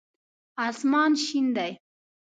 اسمان شین دی